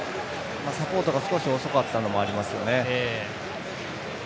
サポートが少し遅かったのもありますね。